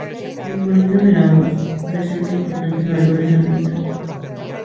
El Molino de la Hoz presenta importantes valores ambientales.